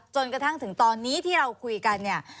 จนกระทั่งถึงตอนนี้ที่เราคุยกันเนี่ย